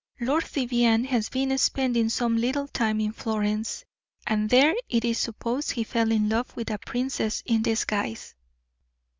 Lord Vivianne has been spending some little time in Florence, and there it is supposed he fell in love with a princess in disguise."